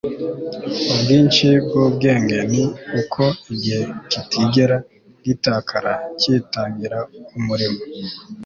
ubwinshi bw'ubwenge ni uko igihe kitigera gitakara cyitangira umurimo